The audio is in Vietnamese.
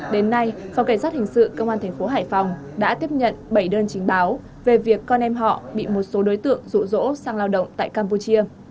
đến nay phòng cảnh sát hình sự công an thành phố hải phòng đã tiếp nhận bảy đơn chính báo về việc con em họ bị một số đối tượng rụ rỗ sang lao động tại campuchia